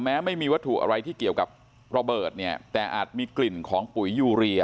ไม่มีวัตถุอะไรที่เกี่ยวกับระเบิดเนี่ยแต่อาจมีกลิ่นของปุ๋ยยูเรีย